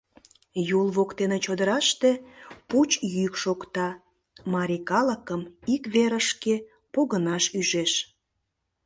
Юл воктене чодыраште пуч йӱк шокта, марий калыкым ик верышке погынаш ӱжеш.